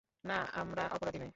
না, আমরা অপরাধী নই!